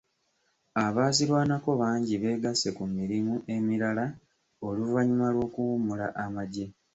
Abaazirwanako bangi beegasse ku mirimu emirala oluvannyuma lw'okuwummula amagye.